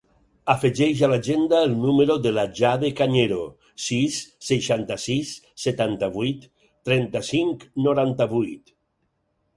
Afegeix a l'agenda el número de la Jade Cañero: sis, seixanta-sis, setanta-vuit, trenta-cinc, noranta-vuit.